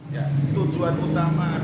ya tujuan utama adalah